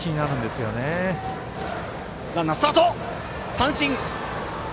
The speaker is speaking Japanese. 三振！